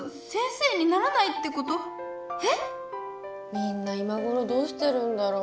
みんな今ごろどうしてるんだろう。